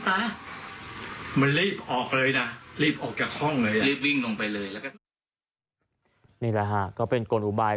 เลยรีบวิ่งลงไปเลยหนึ่งละฮะก็เป็นกลุบาย